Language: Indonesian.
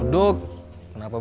ternyata ga dua bmenst clapanya